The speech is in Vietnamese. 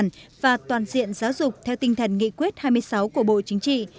nghệ an cũng đã đề xuất với bộ giáo dục theo tinh thần nghị quyết hai mươi sáu của bộ chính trị